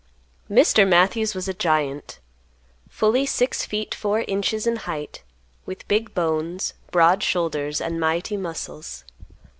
Mr. Matthews was a giant. Fully six feet four inches in height, with big bones, broad shoulders, and mighty muscles.